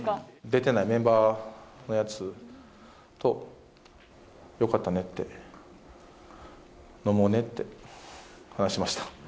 出てないメンバーのやつと、よかったねって、飲もうねって話しました。